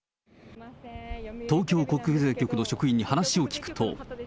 東京国税局の職員に話を聞くと。